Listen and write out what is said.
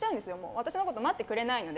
私のこと待ってくれないので。